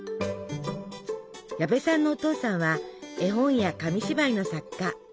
矢部さんのお父さんは絵本や紙芝居の作家。